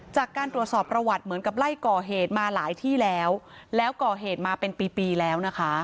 จากการตรวจสอบประวัติเหมือนกับไล่ก่อเหตุมาหลายที่แล้วแล้วก่อเหตุมาเป็นปีปีแล้วนะคะ